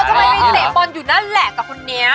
ทำไมไปเตะบอลอยู่นั่นแหละกับคนนี้